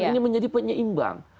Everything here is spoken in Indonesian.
ini menjadi penyeimbang